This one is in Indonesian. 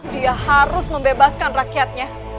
dia harus membebaskan rakyatnya